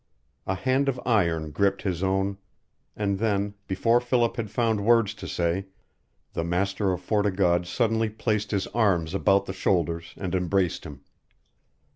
A hand of iron gripped his own. And then, before Philip had found words to say, the master of Fort o' God suddenly placed his arms about his shoulders and embraced him.